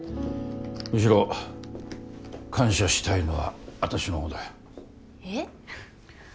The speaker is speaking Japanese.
むしろ感謝したいのは私のほうだよ。え？